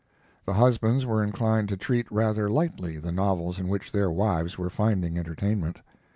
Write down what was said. The husbands were inclined to treat rather lightly the novels in which their wives were finding entertainment.